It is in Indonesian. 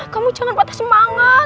kamu jangan patah semangat